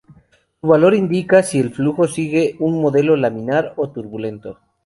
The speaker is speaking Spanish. Su valor indica si el flujo sigue un modelo laminar o turbulento.